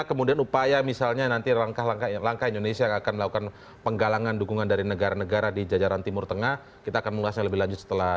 tapi saya kira ini perkembangan yang mengkhawatirkan juga